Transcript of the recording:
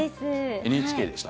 ＮＨＫでした。